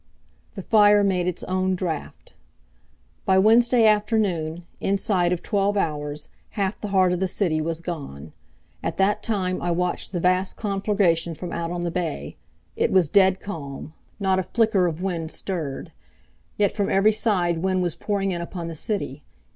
The Fire Made its Own Draft By Wednesday afternoon, inside of twelve hours, half the heart of the city was gone. At that time I watched the vast conflagration from out on the bay. It was dead calm. Not a flicker of wind stirred. Yet from every side wind was pouring in upon the city.